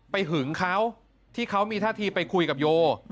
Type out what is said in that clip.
หึงเขาที่เขามีท่าทีไปคุยกับโย